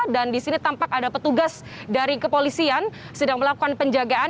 dan di sini tampak ada petugas dari kepolisian sedang melakukan penjagaan